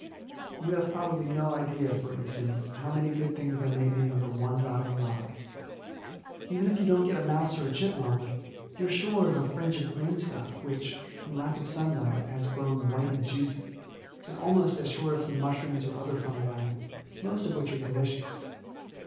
You have probably no idea, for instance, how many good things there may be under one rotting log. Even if you do not get a mouse or a chipmunk, you are sure of a fringe of greenstuff which, from lack of sunlight, has grown white and juicy, and almost as sure of some mushrooms or other fungi, most of which are delicious.